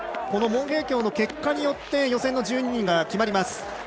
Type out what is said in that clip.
この毛秉強の結果によって予選の１２人が決まってきます。